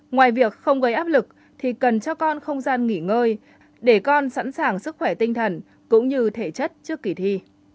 ngoài việc không gây áp lực thì cần cho con không gian nghỉ ngơi để con sẵn sàng sức khỏe tinh thần cũng như thể chất trước kỳ thi